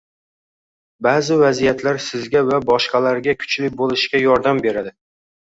Ba'zi vaziyatlar sizga va boshqalarga kuchli bo‘lishga yordam beradi